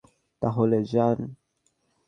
তাহলে, যান!